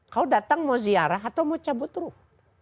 kau datang mau ziarah atau mau cabut ruh